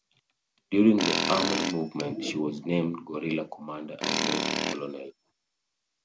During the armed movement she was named Guerrilla Commander and later Colonel.